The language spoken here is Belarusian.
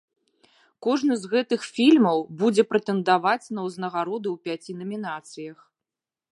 Кожны з гэтых фільмаў будзе прэтэндаваць на ўзнагароды ў пяці намінацыях.